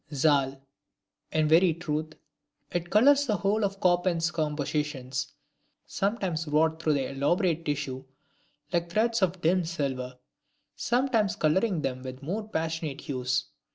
ZAL! In very truth, it colors the whole of Chopin's compositions: sometimes wrought through their elaborate tissue, like threads of dim silver; sometimes coloring them with more passionate hues.